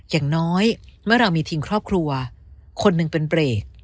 อย่างน้อยเมื่อเรามีทิ้งครอบครัวคนหนึ่งเป็นเบรก